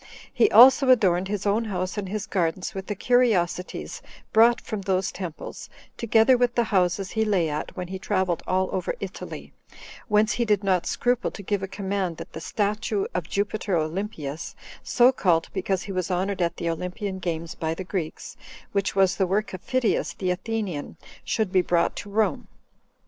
He also adorned his own house and his gardens with the curiosities brought from those temples, together with the houses he lay at when he traveled all over Italy; whence he did not scruple to give a command that the statue of Jupiter Olympius, so called because he was honored at the Olympian games by the Greeks, which was the work of Phidias the Athenian, should be brought to Rome.